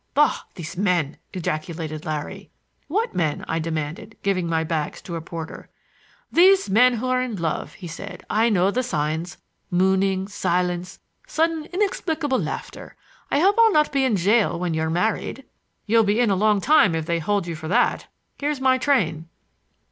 "Bah! these men!" ejaculated Larry. "What men?" I demanded, giving my bags to a porter. "These men who are in love," he said. "I know the signs,—mooning, silence, sudden inexplicable laughter! I hope I'll not be in jail when you're married." "You'll be in a long time if they hold you for that. Here's my train."